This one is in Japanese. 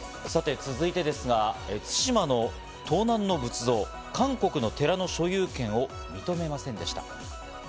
続いてですが、対馬の盗難の仏像を韓国の寺の所有権を認めませんでした。